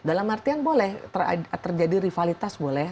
dalam artian boleh terjadi rivalitas boleh